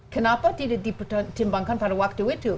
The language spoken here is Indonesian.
kenapa tidak dipertimbangkan pada waktu itu